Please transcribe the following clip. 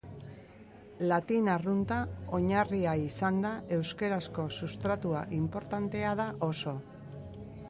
Latin arrunta oinarria izanda, euskarazko substratua inportantea da oso.